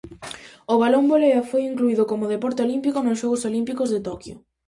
O balonvolea foi incluído como deporte olímpico nos Xogos Olímpicos de Tokyo.